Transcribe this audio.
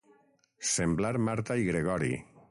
Semblar Marta i Gregori.